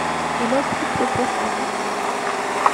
Il occupe le poste d'attaquant.